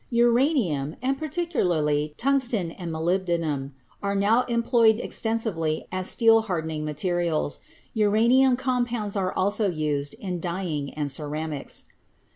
Uranium, and, particularly, tungsten and molybdenum are now employed extensively as steel hardening materials. Uranium compounds are also used in dyeing and ceramics.